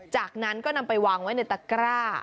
จากนั้นก็นำไปวางไว้ในตะกร้า